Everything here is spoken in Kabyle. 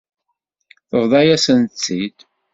Tebḍa-yasent-tt-id.